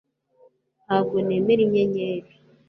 Ntabwo nemera inyenyeri